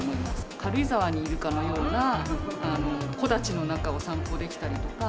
軽井沢にいるかのような、木立の中を散歩できたりとか。